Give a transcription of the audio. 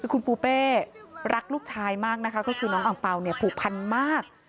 คือคุณปูเป้รักลูกชายมากนะคะก็คือน้องอังเปล่าเนี่ยผูกพันมาก